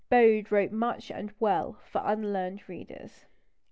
Bode wrote much and well for unlearned readers.